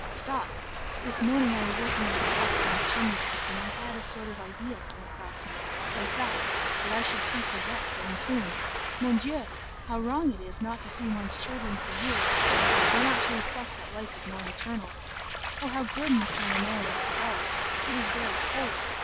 Stop! this morning I was looking at the dust on the chimney piece, and I had a sort of idea come across me, like that, that I should see Cosette again soon. Mon Dieu! how wrong it is not to see one's children for years! One ought to reflect that life is not eternal. Oh, how good M. le Maire is to go! it is very cold!